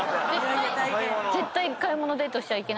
絶対買い物デートしちゃいけない。